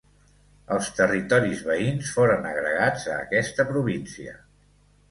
Els territoris veïns foren agregats a aquesta província.